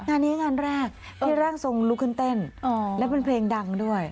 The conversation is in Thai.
งานนี้งานแรกที่ร่างทรงลุกขึ้นเต้นและเป็นเพลงดังด้วย